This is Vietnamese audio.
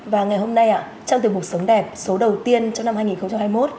và ngày hôm nay trong tiềm mục sống đẹp số đầu tiên trong năm hai nghìn hai mươi một